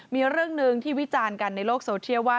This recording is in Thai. มีเรื่องหนึ่งที่วิจารณ์กันในโลกโซเทียลว่า